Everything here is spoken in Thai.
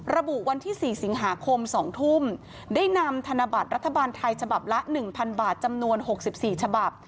วันที่๔สิงหาคม๒ทุ่มได้นำธนบัตรรัฐบาลไทยฉบับละ๑๐๐บาทจำนวน๖๔ฉบับ